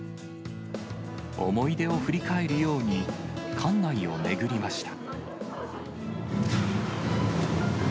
思い出を振り返るように、館内を巡りました。